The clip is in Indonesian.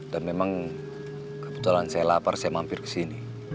dan memang kebetulan saya lapar saya mampir ke sini